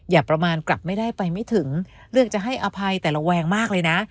อย่าประมาณกลับไม่ได้ไปไม่ถึงเลือกจะให้อภัยแต่ระแวงมากเลยนะ